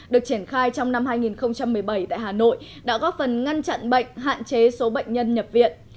được triển khai trong năm hai nghìn một mươi bảy tại hà nội đã góp phần ngăn chặn bệnh hạn chế số bệnh nhân nhập viện